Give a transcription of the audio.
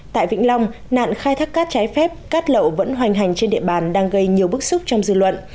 tại vĩnh long nạn khai thác cát trái phép cát lậu vẫn hoành hành trên địa bàn đang gây nhiều bức xúc trong dư luận